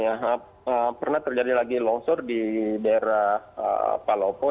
ya pernah terjadi lagi longsor di daerah palopo